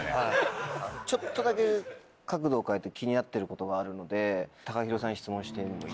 ちょっとだけ角度を変えて気になってることがあるのでＴＡＫＡＨＩＲＯさん質問しても。